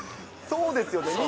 そうですよね。